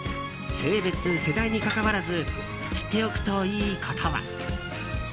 性別、世代にかかわらず知っておくといいことは。